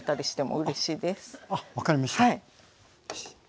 あっ分かりました。